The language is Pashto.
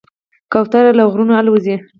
کوتره له غرونو الوزي.